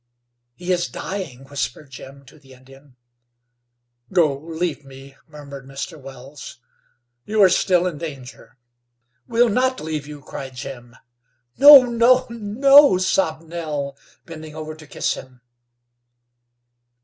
"He is dying," whispered Jim to the Indian. "Go, leave me," murmured Mr. Wells. "You are still in danger." "We'll not leave you," cried Jim. "No, no, no," sobbed Nell, bending over to kiss him.